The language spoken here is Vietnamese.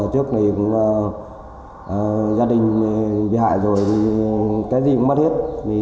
trước này gia đình bị hại rồi thì cái gì cũng mất hết